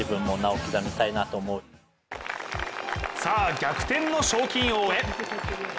逆転の賞金王へ。